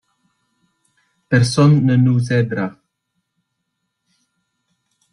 Personne ne nous aidera.